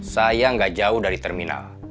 saya nggak jauh dari terminal